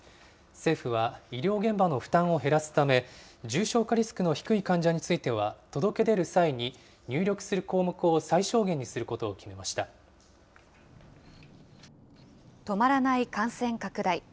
政府は、医療現場の負担を減らすため、重症化リスクの低い患者については、届け出る際に入力する項目を最小限にすることを決止まらない感染拡大。